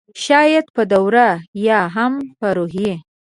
شاید په دواړو ؟ یا هم په روحي